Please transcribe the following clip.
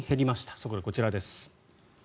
そこでこちらです。